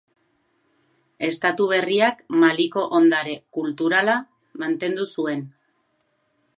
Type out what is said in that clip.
Estatu berriak Maliko ondare kulturala mantendu zuen.